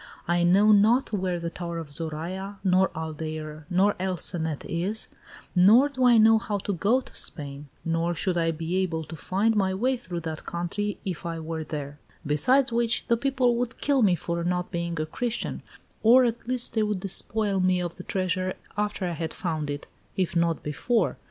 I know not where the Tower of Zoraya, nor Aldeire, nor El Cenet is, nor do I know how to go to Spain, nor should I be able to find my way through that country if I were there; besides which, the people would kill me for not being a Christian, or at least they would despoil me of the treasure after I had found it, if not before.